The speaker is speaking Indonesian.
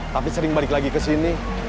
tapi sering balik lagi ke sini